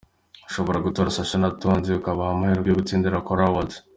Ushobora gutora Sacha na Tonzi ukabaha amahirwe yo gutsindira Kora Awards.